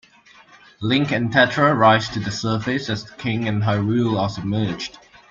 Link and Tetra rise to the surface as the King and Hyrule are submerged.